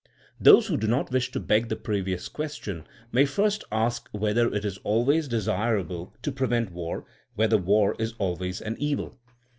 Those who do not wish to beg the previous question may first ask whether it is always desirable to prevent war, whether war is always an evil.